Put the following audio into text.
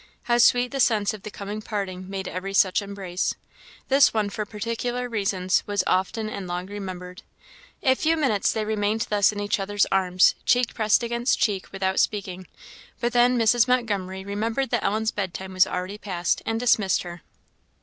How sweet the sense of the coming parting made every such embrace! This one, for particular reasons, was often and long remembered. A few minutes they remained thus in each other's arms, cheek pressed against cheek, without speaking; but then Mrs. Montgomery remembered that Ellen's bed time was already past, and dismissed her.